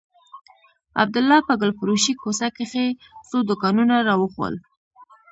عبدالله په ګلفروشۍ کوڅه کښې څو دوکانونه راوښوول.